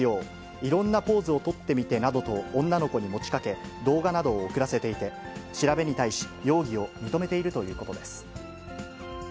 いろんなポーズをとってみてなどと、女の子に持ちかけ、動画などを送らせていて、調べに対し、容疑を認めているということです。